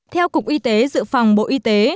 theo cục y tế dự phòng bộ y tế